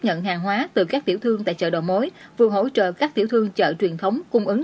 nhận hàng hóa từ các tiểu thương tại chợ đầu mối vừa hỗ trợ các tiểu thương chợ truyền thống cung ứng